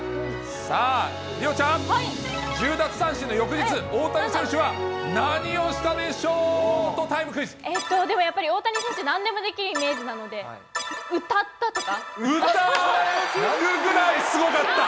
さあ、梨央ちゃん、１０奪三振の翌日、大谷選手は何をしたで翔ートタイムクイズ。えっと、でもやっぱり大谷選手なんでもできるイメージなので、歌ったとか？